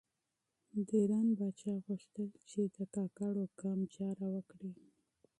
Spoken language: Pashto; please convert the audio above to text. د ایران پاچا غوښتل چې د کاکړو قام چاره وکړي.